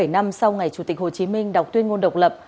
bảy mươi bảy năm sau ngày chủ tịch hồ chí minh đọc tuyên ngôn độc lập